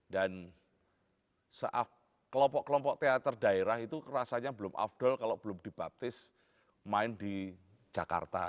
dan kelompok kelompok teater daerah itu rasanya belum afdol kalau belum dibaptis main di jakarta